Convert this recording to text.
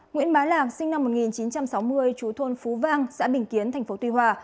nguyễn bá lạc sinh năm một nghìn chín trăm sáu mươi chú thôn phú vang xã bình kiến tp tuy hòa